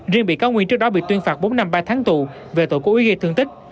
riêng bị cáo nguyên trước đó bị tuyên phạt bốn năm ba tháng tù về tội cố ý gây thương tích